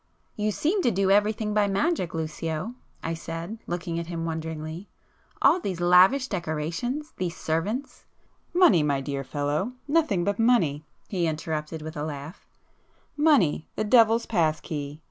"You seem to do everything by magic, Lucio;"—I said, looking at him wonderingly—"All these lavish decorations,—these servants—" "Money, my dear fellow,—nothing but money"—he interrupted with a laugh—"Money, the devil's pass key!